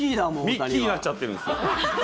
ミッキーになっちゃってるんですよ。